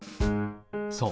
そう。